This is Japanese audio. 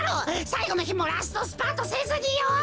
さいごのひもラストスパートせずによ！